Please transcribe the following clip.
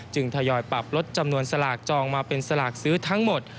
ทยอยปรับลดจำนวนสลากจองมาเป็นสลากซื้อทั้งหมด